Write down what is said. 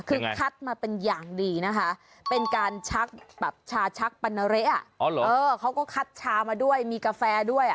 คือคัดมาเป็นอย่างดีนะคะเป็นการชักแบบชาชักปันนาเละเขาก็คัดชามาด้วยมีกาแฟด้วย